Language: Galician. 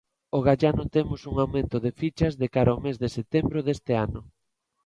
Ogallá notemos un aumento de fichas de cara ao mes de setembro deste ano.